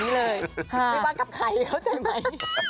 ไม่ว่ากลับใครเข้าใจไหม